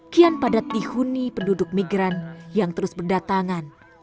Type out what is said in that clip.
kian padat dihuni penduduk migran yang terus berdatangan